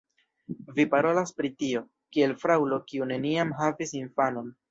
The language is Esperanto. Vi parolas pri tio, kiel fraŭlo kiu neniam havis infanon.